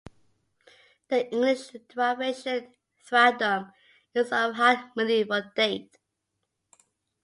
The English derivation "thraldom" is of High Medieval date.